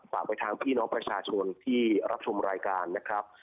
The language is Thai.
ฝากไปทางพี่น้องประชาชนที่รับชมรายการนะครับ